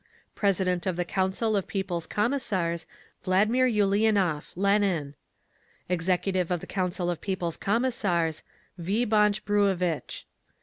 President of the Council of People's Commissars, VL. ULIANOV (LENIN). Executive of the Council of People's Commissars, V. BONCH BRUEVITCH.